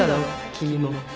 君も。